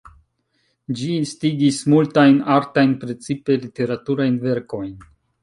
Ĝi instigis multajn artajn, precipe literaturajn verkojn.